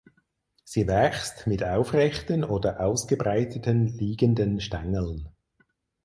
Sie wächst mit aufrechten oder ausgebreiteten liegenden Stängeln.